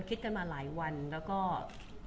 คุณผู้ถามเป็นความขอบคุณค่ะ